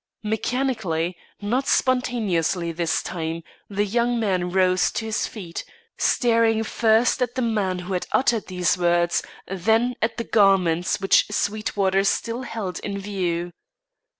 Mechanically, not spontaneously this time, the young man rose to his feet, staring first at the man who had uttered these words, then at the garments which Sweetwater still held in view.